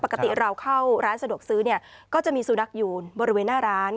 ปกติเราเข้าร้านสะดวกซื้อเนี่ยก็จะมีสุนัขอยู่บริเวณหน้าร้าน